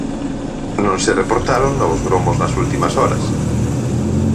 Non se reportaron novos gromos nas últimas horas.